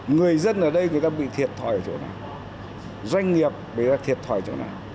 người dân ở đây bị thiệt thòi ở chỗ này doanh nghiệp bị thiệt thòi ở chỗ này